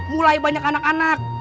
mulai banyak anak anak